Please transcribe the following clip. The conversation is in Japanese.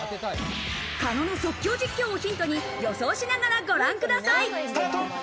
狩野の即興実況をヒントに予想しながらご覧ください。